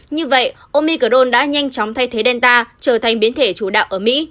như vậy omicron đã nhanh chóng thay thế delta trở thành biến thể chủ đạo ở mỹ